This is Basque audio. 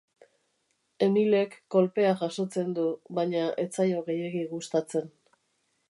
Emilek kolpea jasotzen du, baina ez zaio gehiegi gustatzen.